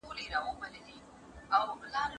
زه اجازه لرم چي کتابونه وليکم،،